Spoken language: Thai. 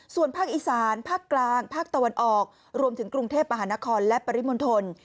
ส่วนภาคอีสานภาคกลางภาคตะวันออกรวมถึงกรุงเทพมหานครและปริมณฑล